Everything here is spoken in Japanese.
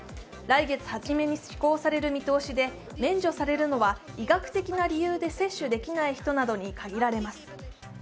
来月初めに施行される見通しで免除されるのは医学的な理由で接種できない人などに限られます。